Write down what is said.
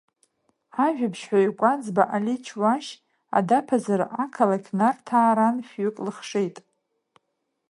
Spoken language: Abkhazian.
Ажәабжьҳәаҩ Кәаӡба Али Чаушь Адаԥазары ақалақь Нарҭаа ран шәҩык лыхшеит.